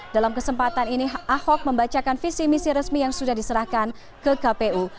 dalam kesempatan ini ahok membacakan visi misi resmi yang sudah diserahkan ke kpu